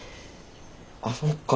あっそっか。